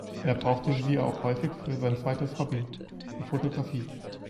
Er brauchte sie auch häufig für sein zweites Hobby, die Fotografie.